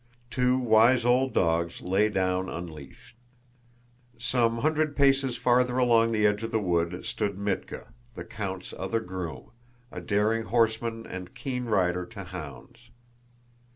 Two wise old dogs lay down unleashed. Some hundred paces farther along the edge of the wood stood Mítka, the count's other groom, a daring horseman and keen rider to hounds.